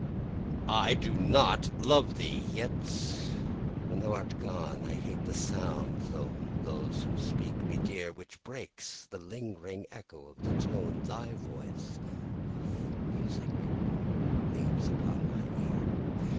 I do not love thee!—yet, when thou art gone, I hate the sound (though those who speak be dear) 10 Which breaks the lingering echo of the tone Thy voice of music leaves upon my ear.